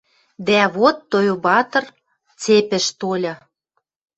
Дӓ вот Тойбатр цепьӹш тольы.